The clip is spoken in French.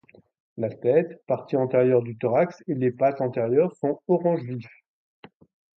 La tête, partie antérieure du thorax, et les pattes antérieures sont orange vif.